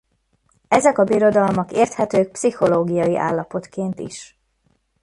Ezek a birodalmak érthetők pszichológiai állapotként is.